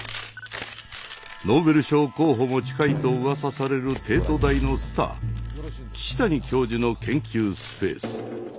ノーベル賞候補も近いとうわさされる帝都大のスター岸谷教授の研究スペース